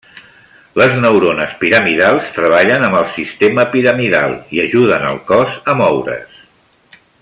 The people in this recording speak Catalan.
Les neurones piramidals treballen amb el sistema piramidal i ajuden al cos a moure's.